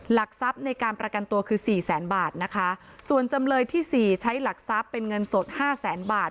หลักทรัพย์ในการประกันตัวคือสี่แสนบาทนะคะส่วนจำเลยที่สี่ใช้หลักทรัพย์เป็นเงินสดห้าแสนบาท